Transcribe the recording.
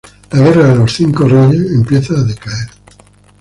La Guerra de los Cinco Reyes empieza a decaer.